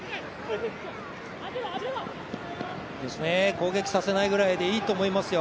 攻撃させないぐらいでいいと思いますよ。